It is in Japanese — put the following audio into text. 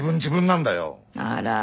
あら。